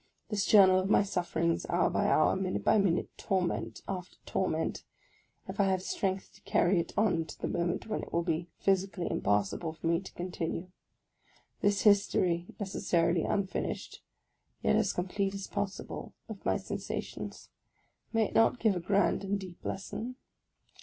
This journal of my sufferings, hour by hour, minute by minute, torment after torment, if I have strength to carry it on to the moment when it will be physically impossible for me to continue, — this history necessarily unfinished, yet as complete as possible, of my sensations, may it not give a grand and deep lesson